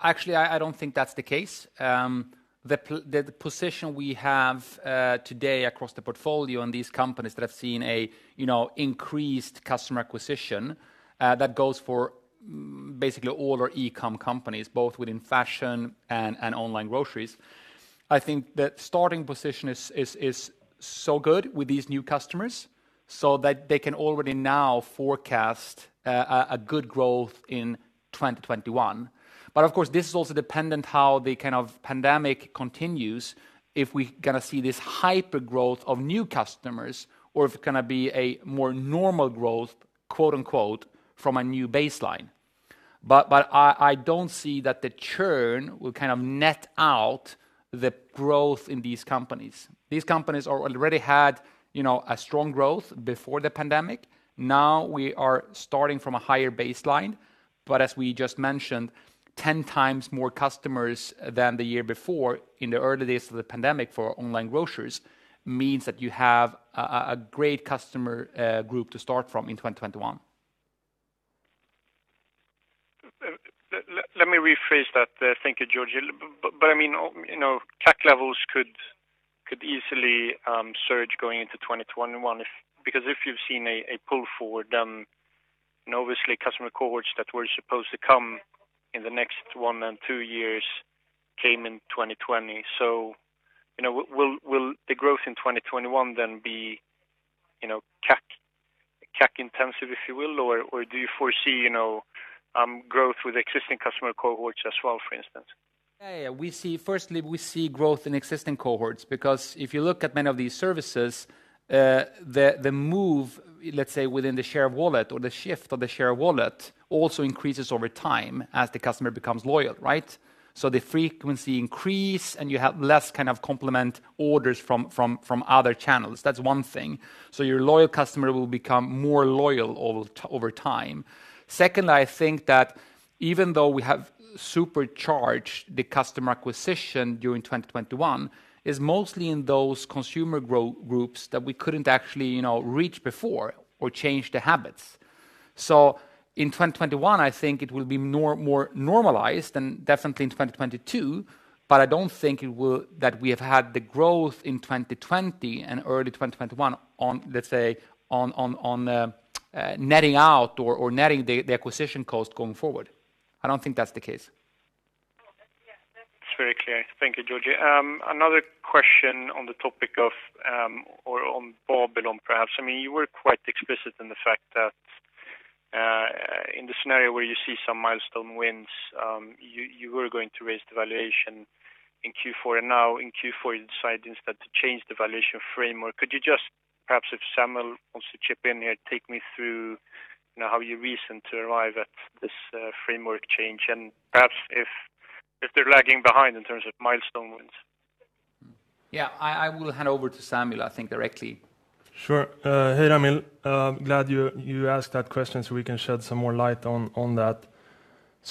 Actually, I don't think that's the case. The position we have today across the portfolio in these companies that have seen increased customer acquisition, that goes for basically all our e-com companies, both within fashion and online groceries. I think the starting position is so good with these new customers so that they can already now forecast a good growth in 2021. Of course, this is also dependent how the pandemic continues, if we're going to see this hyper growth of new customers or if it's going to be a more normal growth, quote unquote, from a new baseline. I don't see that the churn will net out the growth in these companies. These companies already had a strong growth before the pandemic. We are starting from a higher baseline, but as we just mentioned, 10 times more customers than the year before in the early days of the pandemic for online groceries means that you have a great customer group to start from in 2021.
Let me rephrase that. Thank you Georgi. I mean, CAC levels could easily surge going into 2021, because if you've seen a pull forward, then obviously customer cohorts that were supposed to come in the next one and two years came in 2020. Will the growth in 2021 then be CAC intensive, if you will? Do you foresee growth with existing customer cohorts as well, for instance?
Yeah. Firstly, we see growth in existing cohorts because if you look at many of these services, the move, let's say within the share of wallet or the shift of the share of wallet also increases over time as the customer becomes loyal, right? The frequency increase and you have less complement orders from other channels. That's one thing. Your loyal customer will become more loyal over time. Secondly, I think that even though we have supercharged the customer acquisition during 2021, is mostly in those consumer groups that we couldn't actually reach before or change the habits. In 2021, I think it will be more normalized and definitely in 2022, but I don't think that we have had the growth in 2020 and early 2021 on, let's say, on netting out or netting the acquisition cost going forward. I don't think that's the case.
That's very clear. Thank you Georgi. Another question on the topic of, or on Babylon perhaps. You were quite explicit in the fact that in the scenario where you see some milestone wins, you were going to raise the valuation in Q4. Now in Q4, you decide instead to change the valuation framework. Could you just perhaps if Samuel wants to chip in here, take me through how you reason to arrive at this framework change and perhaps if they're lagging behind in terms of milestone wins?
Yeah, I will hand over to Samuel, I think directly.
Sure. Hey Ramil. Glad you asked that question so we can shed some more light on that.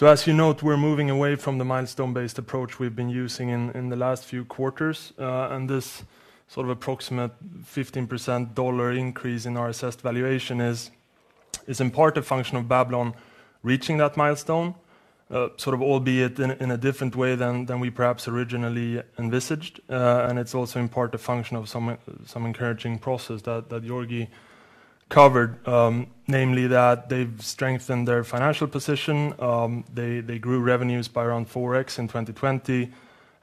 As you note, we're moving away from the milestone-based approach we've been using in the last few quarters. This approximate 15%-dollar increase in our assessed valuation is in part a function of Babylon reaching that milestone, albeit in a different way than we perhaps originally envisaged. It's also in part a function of some encouraging process that Georgi covered. Namely that they've strengthened their financial position. They grew revenues by around 4x in 2020,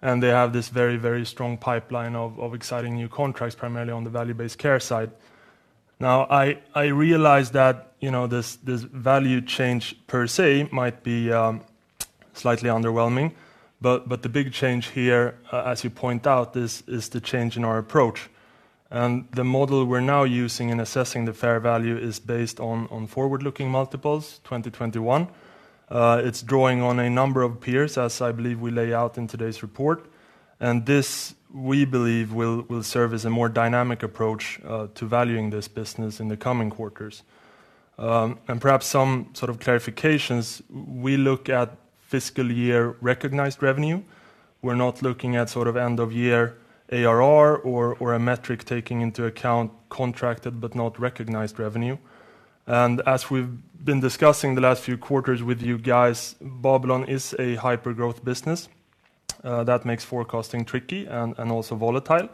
and they have this very strong pipeline of exciting new contracts, primarily on the value-based care side. I realize that this value change per se might be slightly underwhelming, but the big change here as you point out, is the change in our approach. The model we're now using in assessing the fair value is based on forward-looking multiples, 2021. It's drawing on a number of peers, as I believe we lay out in today's report. This, we believe, will serve as a more dynamic approach to valuing this business in the coming quarters. Perhaps some sort of clarifications, we look at fiscal year recognized revenue. We're not looking at end of year ARR or a metric taking into account contracted but not recognized revenue. As we've been discussing the last few quarters with you guys, Babylon is a hyper-growth business. That makes forecasting tricky and also volatile.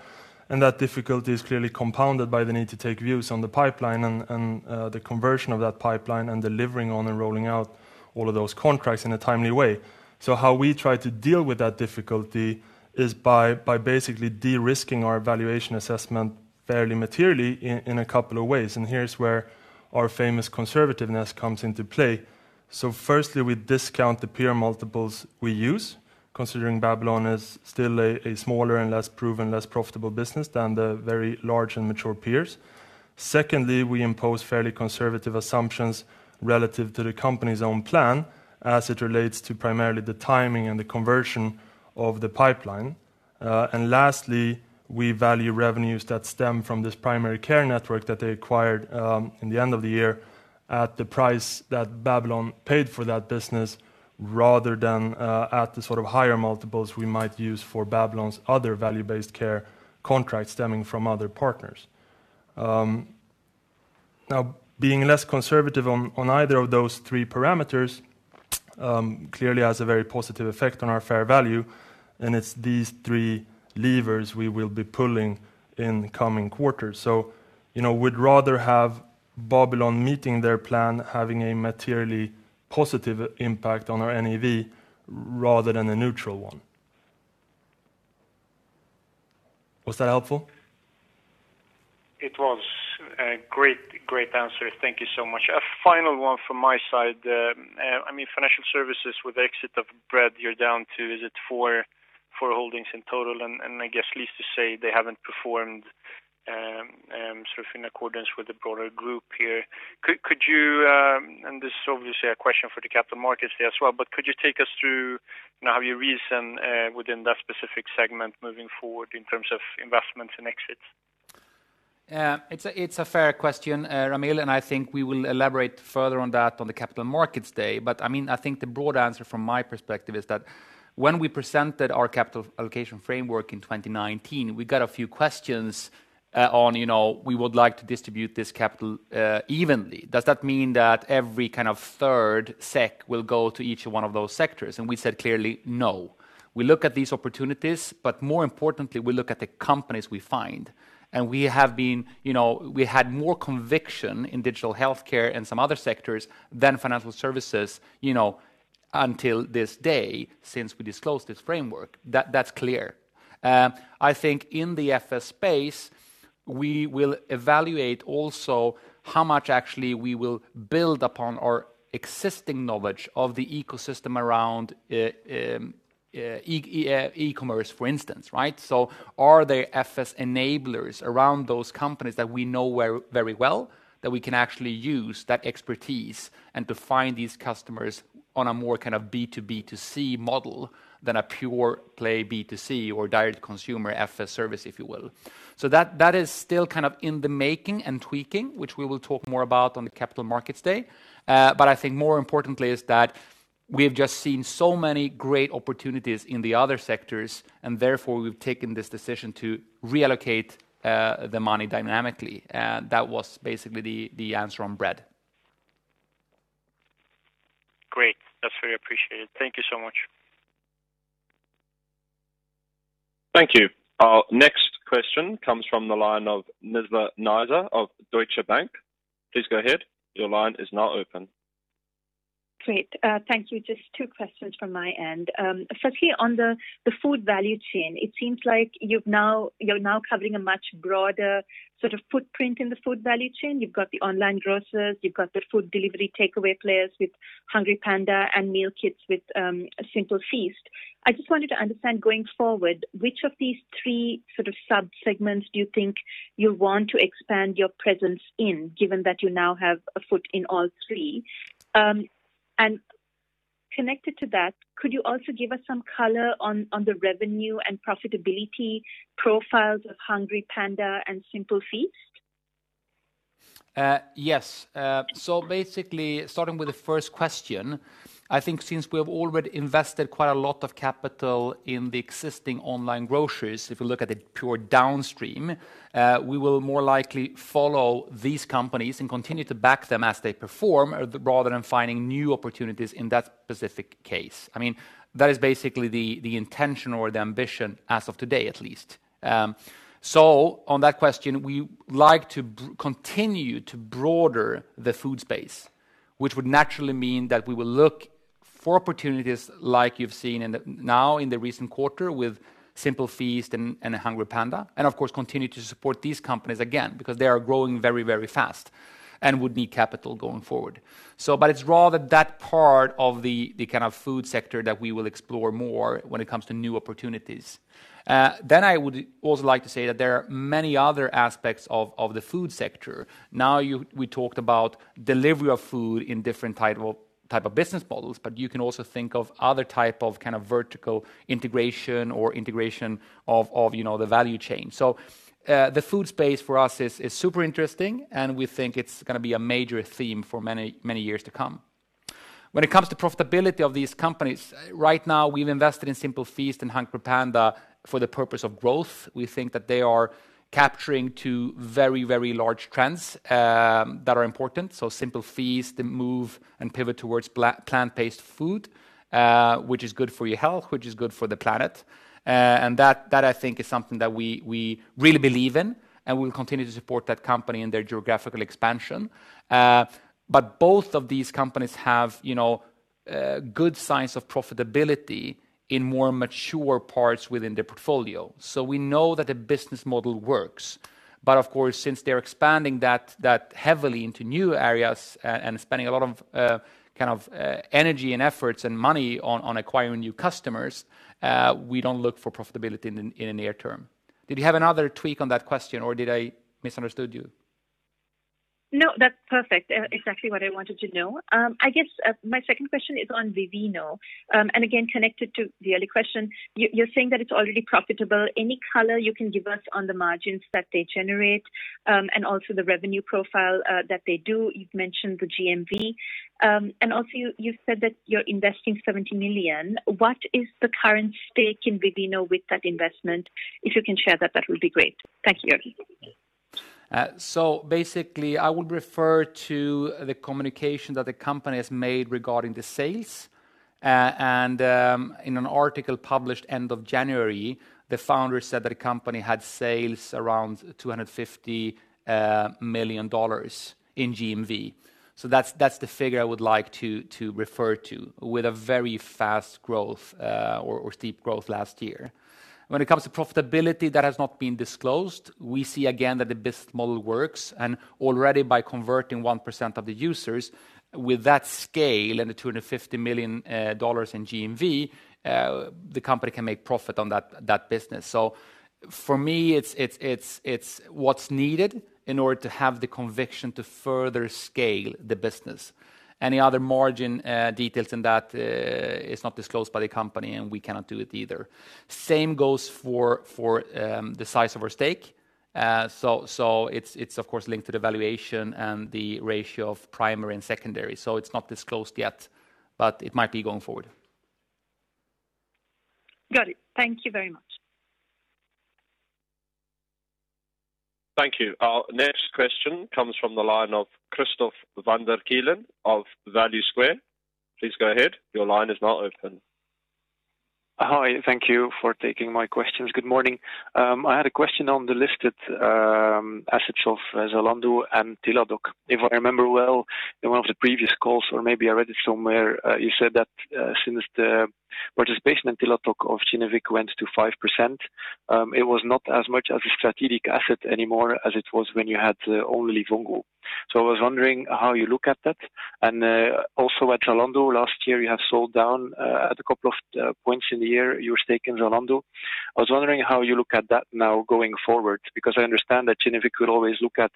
That difficulty is clearly compounded by the need to take views on the pipeline and the conversion of that pipeline, and delivering on and rolling out all of those contracts in a timely way. How we try to deal with that difficulty is by basically de-risking our valuation assessment fairly materially in a couple of ways. Here's where our famous conservativeness comes into play. Firstly, we discount the peer multiples we use, considering Babylon is still a smaller and less proven, less profitable business than the very large and mature peers. Secondly, we impose fairly conservative assumptions relative to the company's own plan as it relates to primarily the timing and the conversion of the pipeline. Lastly, we value revenues that stem from this primary care network that they acquired in the end of the year at the price that Babylon paid for that business rather than at the higher multiples we might use for Babylon's other value-based care contracts stemming from other partners. Being less conservative on either of those three parameters clearly has a very positive effect on our fair value, and it's these three levers we will be pulling in coming quarters. We'd rather have Babylon meeting their plan, having a materially positive impact on our NAV rather than a neutral one. Was that helpful?
It was. Great answer. Thank you so much. A final one from my side. Financial services with exit of Bread, you're down to, is it four holdings in total? I guess least to say they haven't performed in accordance with the broader group here. Could you, and this is obviously a question for the capital markets day as well, but could you take us through how you reason within that specific segment moving forward in terms of investments and exits?
It's a fair question Ramil. I think we will elaborate further on that on the Capital Markets Day. I think the broad answer from my perspective is that when we presented our capital allocation framework in 2019, we got a few questions on, we would like to distribute this capital evenly. Does that mean that every kind of third SEK will go to each one of those sectors? We said, clearly, "No." We look at these opportunities. More importantly, we look at the companies we find. We had more conviction in digital healthcare and some other sectors than financial services until this day, since we disclosed this framework. That's clear. I think in the FS space, we will evaluate also how much actually we will build upon our existing knowledge of the ecosystem around e-commerce, for instance, right? Are there FS enablers around those companies that we know very well, that we can actually use that expertise and to find these customers on a more B2B2C model than a pure play B2C or direct consumer FS service, if you will. That is still in the making and tweaking, which we will talk more about on the Capital Markets Day. I think more importantly is that we have just seen so many great opportunities in the other sectors, and therefore we've taken this decision to reallocate the money dynamically. That was basically the answer on Bread.
Great. That's very appreciated. Thank you so much.
Thank you. Our next question comes from the line of Nizla Naizer of Deutsche Bank. Please go ahead.
Great. Thank you. Just two questions from my end. Firstly, on the food value chain, it seems like you're now covering a much broader sort of footprint in the food value chain. You've got the online grocers, you've got the food delivery takeaway players with HungryPanda and meal kits with Simple Feast. I just wanted to understand, going forward, which of these three subsegments do you think you want to expand your presence in, given that you now have a foot in all three? Connected to that, could you also give us some color on the revenue and profitability profiles of HungryPanda and Simple Feast?
Yes. Basically, starting with the first question, I think since we have already invested quite a lot of capital in the existing online groceries, if you look at the pure downstream, we will more likely follow these companies and continue to back them as they perform, rather than finding new opportunities in that specific case. That is basically the intention or the ambition as of today at least. On that question, we like to continue to broader the food space, which would naturally mean that we will look for opportunities like you've seen now in the recent quarter with Simple Feast and HungryPanda, and of course, continue to support these companies again, because they are growing very fast and would need capital going forward. It's rather that part of the kind of food sector that we will explore more when it comes to new opportunities. I would also like to say that there are many other aspects of the food sector. We talked about delivery of food in different type of business models, but you can also think of other type of kind of vertical integration or integration of the value chain. The food space for us is super interesting, and we think it's going to be a major theme for many years to come. When it comes to profitability of these companies, right now we've invested in Simple Feast and HungryPanda for the purpose of growth. We think that they are capturing two very large trends that are important. Simple Feast, the move and pivot towards plant-based food, which is good for your health, which is good for the planet. That I think is something that we really believe in, and we'll continue to support that company in their geographical expansion. Both of these companies have good signs of profitability in more mature parts within their portfolio. We know that the business model works. Of course, since they're expanding that heavily into new areas and spending a lot of energy and efforts and money on acquiring new customers, we don't look for profitability in the near term. Did you have another tweak on that question, or did I misunderstood you?
No, that's perfect. Exactly what I wanted to know. I guess my second question is on Vivino, again, connected to the other question. You're saying that it's already profitable. Any color you can give us on the margins that they generate, also the revenue profile that they do? You've mentioned the GMV. Also you've said that you're investing 70 million. What is the current stake in Vivino with that investment? If you can share that will be great. Thank you Georgi.
Basically, I would refer to the communication that the company has made regarding the sales. In an article published end of January, the founder said that the company had sales around $250 million in GMV. That's the figure I would like to refer to, with a very fast growth or steep growth last year. When it comes to profitability, that has not been disclosed. We see again that the business model works, and already by converting 1% of the users with that scale and the $250 million in GMV, the company can make profit on that business. For me, it's what's needed in order to have the conviction to further scale the business. Any other margin details in that, it's not disclosed by the company, and we cannot do it either. Same goes for the size of our stake. It's of course linked to the valuation and the ratio of primary and secondary. It's not disclosed yet, but it might be going forward.
Got it. Thank you very much.
Thank you. Our next question comes from the line of Christophe Van der Kelen of Value Square. Please go ahead.
Hi. Thank you for taking my questions. Good morning. I had a question on the listed assets of Zalando and Teladoc. If I remember well, in one of the previous calls, or maybe I read it somewhere, you said that since the participation in Teladoc of Kinnevik went to 5%, it was not as much as a strategic asset anymore as it was when you had only Livongo. I was wondering how you look at that. Also at Zalando last year, you have sold down at a couple of points in the year, your stake in Zalando. I was wondering how you look at that now going forward, because I understand that Kinnevik could always look at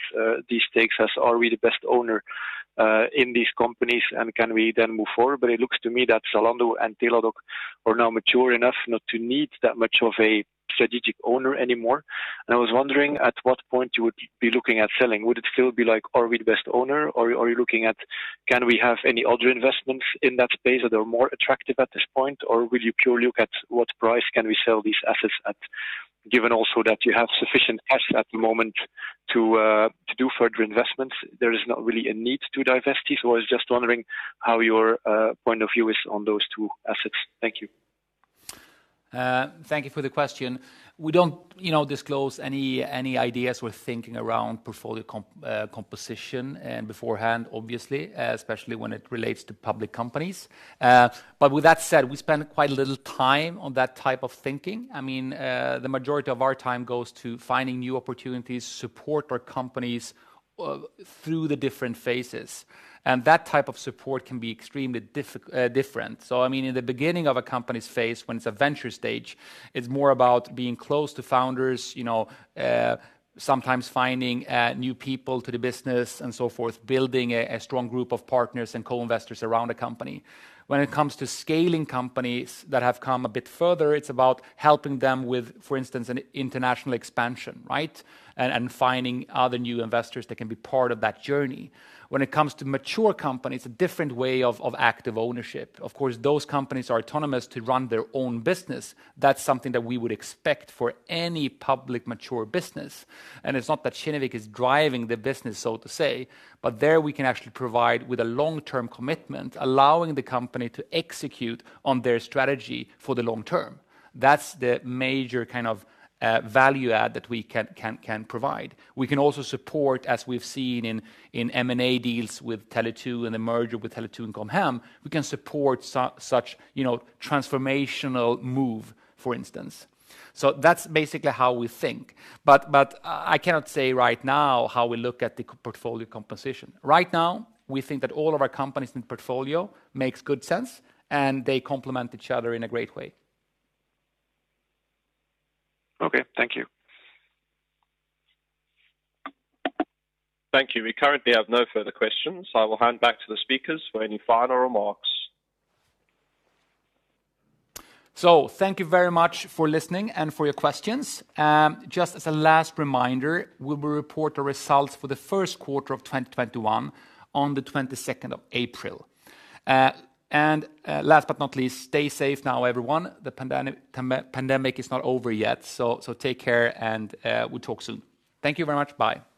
these stakes as are we the best owner in these companies, and can we then move forward? It looks to me that Zalando and Teladoc are now mature enough not to need that much of a strategic owner anymore. I was wondering at what point you would be looking at selling. Would it still be like, are we the best owner? Are you looking at can we have any other investments in that space that are more attractive at this point? Will you purely look at what price can we sell these assets at, given also that you have sufficient cash at the moment to do further investments? There is not really a need to divest these, so I was just wondering how your point of view is on those two assets. Thank you.
Thank you for the question. We don't disclose any ideas we're thinking around portfolio composition beforehand, obviously, especially when it relates to public companies. With that said, we spend quite a little time on that type of thinking. The majority of our time goes to finding new opportunities, support our companies through the different phases. That type of support can be extremely different. In the beginning of a company's phase, when it's a venture stage, it's more about being close to founders, sometimes finding new people to the business and so forth, building a strong group of partners and co-investors around a company. When it comes to scaling companies that have come a bit further, it's about helping them with, for instance, an international expansion, right? Finding other new investors that can be part of that journey. When it comes to mature companies, it's a different way of active ownership. Of course, those companies are autonomous to run their own business. That's something that we would expect for any public mature business. It's not that Kinnevik is driving the business, so to say, but there we can actually provide with a long-term commitment, allowing the company to execute on their strategy for the long term. That's the major kind of value add that we can provide. We can also support, as we've seen in M&A deals with Tele2 and the merger with Tele2 and Com Hem, we can support such transformational move, for instance. That's basically how we think. I cannot say right now how we look at the portfolio composition. Right now, we think that all of our companies in portfolio makes good sense, and they complement each other in a great way.
Okay. Thank you.
Thank you. We currently have no further questions. I will hand back to the speakers for any final remarks.
Thank you very much for listening and for your questions. Just as a last reminder, we will report the results for the first quarter of 2021 on the 22nd of April. Last but not least, stay safe now, everyone. The pandemic is not over yet, so take care, and we will talk soon. Thank you very much. Bye.